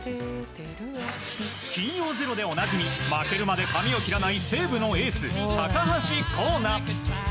金曜「ｚｅｒｏ」でおなじみ負けるまで髪を切らない西武のエース、高橋光成。